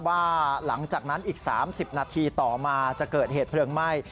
ว่าหลังจากนั้นอีก๓๐นาทีต่อมาจะเกิดเหตุเพลิงไหม้